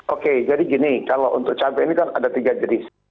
oke jadi gini kalau untuk cabai ini kan ada tiga jenis